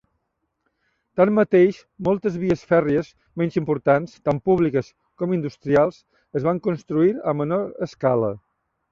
Tanmateix, moltes vies fèrries menys importants, tant públiques com industrials, es van construir a menor escala.